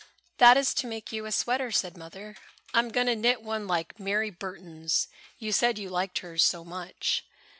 "That is to make you a sweater," said Mother. "I am going to knit one like Mary Burton's. You said you liked hers so much."